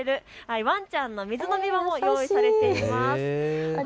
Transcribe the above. ワンちゃんの水飲み場も設置されています。